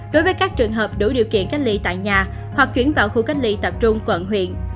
đối với các trường hợp đủ điều kiện cách ly tại nhà hoặc chuyển vào khu cách ly tập trung quận huyện